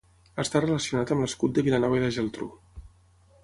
Està relacionat amb l'escut de Vilanova i la Geltrú.